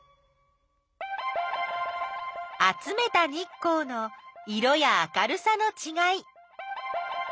集めた日光の色や明るさのちがい。